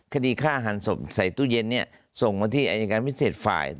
คดีฆ่าหันศพใส่ตู้เย็นเนี่ยส่งมาที่อายการพิเศษฝ่าย